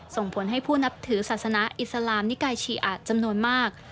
ส่งผลให้ผู้นับถือศาสนาอิสลามนิกายชีอาจจำนวนมาก